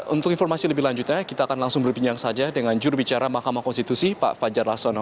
untuk informasi lebih lanjutnya kita akan langsung berbincang saja dengan jurubicara mahkamah konstitusi pak fajar laksono